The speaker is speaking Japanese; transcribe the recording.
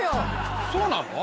そうなの？